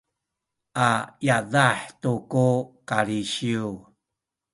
a yadah tu ku kalisiw